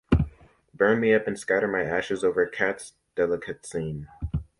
Burn me up and scatter my ashes over Katz's Delicatessen.